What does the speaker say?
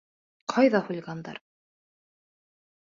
Ҡайҙа хулигандар?